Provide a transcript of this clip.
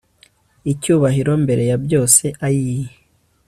icyubahiro mbere ya byose, ayii